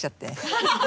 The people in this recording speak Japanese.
ハハハ！